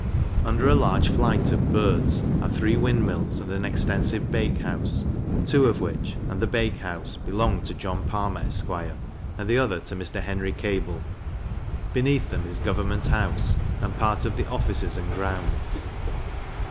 Under a large flight of birds, are three Wind mills, and an extensive Bakehouse; two of which, and the bake house, belong to John Palmer, Esq. and the other to Mr. Henry Kable. Beneath them is Government House, and part of the offices, and grounds.